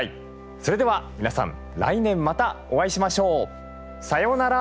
それでは皆さん来年またお会いしましょう。さようなら！